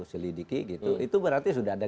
selidiki gitu itu berarti sudah ada